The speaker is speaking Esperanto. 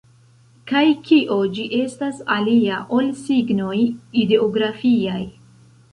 Kaj kio ĝi estas alia, ol signoj ideografiaj?